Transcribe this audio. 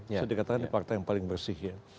bisa dikatakan partai yang paling bersih ya